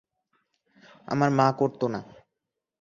আমার মা করতো না।